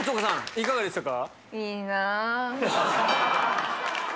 いかがでしたか？